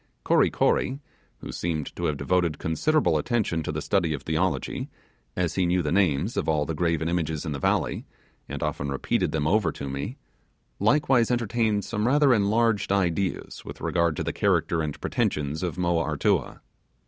Kory Kory who seemed to have devoted considerable attention to the study of theology, as he knew the names of all the graven images in the valley, and often repeated them over to me likewise entertained some rather enlarged ideas with regard to the character and pretensions of Moa Artua.